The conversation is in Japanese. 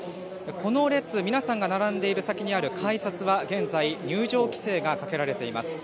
この列、皆さんが並んでいる先にある改札は現在、入場規制がかけられています。